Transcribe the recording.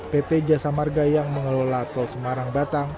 pt jasa marga yang mengelola tol semarang batang